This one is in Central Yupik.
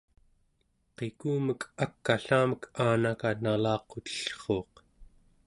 qikumek ak'allamek aanaka nalaqutellruuq